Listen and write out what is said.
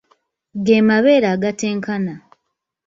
Ge mabeere agatenkana.